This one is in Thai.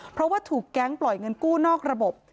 เพราะว่าถูกแก๊งปล่อยเงินกู้นอกระบบ